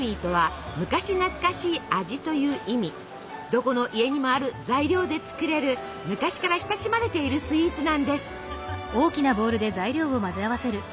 どこの家にもある材料で作れる昔から親しまれているスイーツなんです。